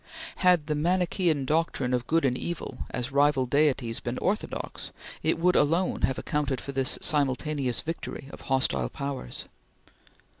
Had the Manichean doctrine of Good and Evil as rival deities been orthodox, it would alone have accounted for this simultaneous victory of hostile powers.